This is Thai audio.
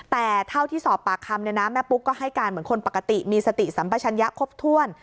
แต่เท่าที่สอบปากคำเนี่ยนะแม่ปุ๊กก็ให้การเหมือนคนปกติมีสติสัมปชัญญะครบถ้วน